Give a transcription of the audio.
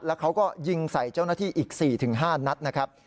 แล้วเขาก็ยิงใส่เจ้าหน้าที่อีก๔๕นัดนะครับ